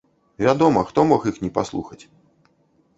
Вядома, хто мог іх не паслухаць?